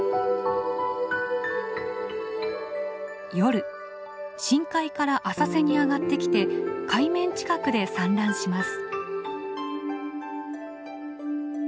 夜深海から浅瀬に上がってきて海面近くで産卵します。